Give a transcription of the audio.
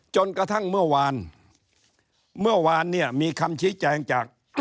จนกระทั่งเมื่อวานมีคำชี้แจงจาก